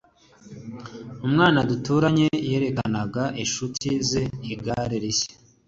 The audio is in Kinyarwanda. umwana duturanye yerekanaga inshuti ze igare rishya